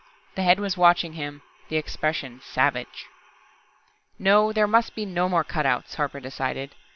The head was watching him, the expression savage. No, there must be no more cutouts, Harper decided.